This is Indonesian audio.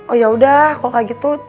oh yaudah kalau kayak gitu